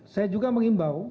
saya juga mengimbau